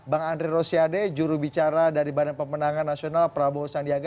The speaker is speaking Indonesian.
bang andre rosiade jurubicara dari badan pemenangan nasional prabowo sandiaga